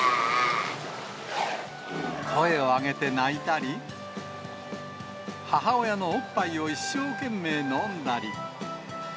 声を上げて鳴いたり、母親のおっぱいを一生懸命飲んだり。